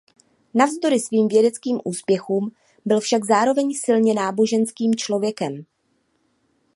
Navzdory svým vědeckým úspěchům byl však zároveň silně náboženským člověkem.